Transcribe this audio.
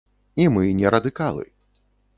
І мы не радыкалы.